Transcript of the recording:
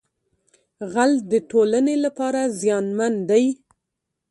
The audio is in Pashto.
غل د ټولنې لپاره زیانمن دی